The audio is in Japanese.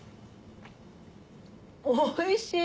おいしい。